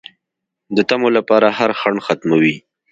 د طمعو لپاره هر خنډ ختموي